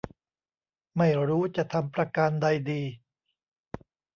ไม่รู้จะทำประการใดดี